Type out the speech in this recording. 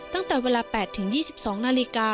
ตั้งแต่เวลา๘๒๒น